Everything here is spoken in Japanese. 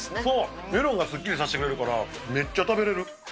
メロンがすっきりさせてくれるから、めっちゃ食べれる。